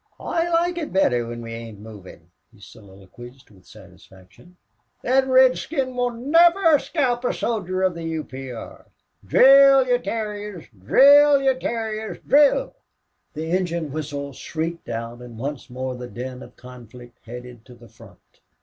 "I loike it better whin we ain't movin'," he soliloquized, with satisfaction. "Thot red skin won't niver scalp a soldier of the U. P. R.... Drill, ye terriers! Drill, ye terriers, drill!" The engine whistle shrieked out and once more the din of conflict headed to the front.